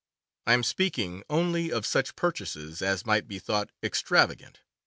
I am speaking only of such purchases as might be thought extravagant.